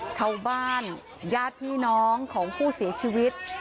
ชาวบ้านญาติพี่น้องของผู้เสียชีวิต